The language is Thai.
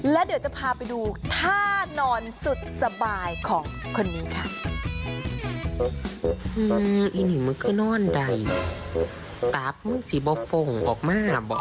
และเดี๋ยวจะพาไปดูท่านอนสุดสบายของคนนี้ค่ะ